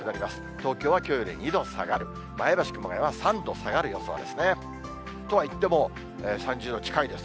東京はきょうより２度下がる、前橋、熊谷は３度下がる予想ですね。とはいっても、３０度近いです。